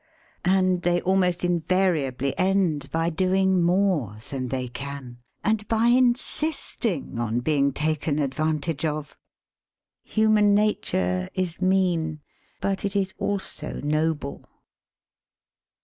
And they almost invariably end by doing more than they can, and by insisting on being taken advantage of. Human nature is mean, but it is also noble.